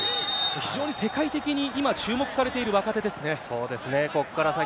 非常に世界的に今、注目されている若手ですね。